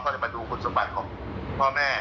เขาเลยมาดูคุณสมบัติของพ่อแม่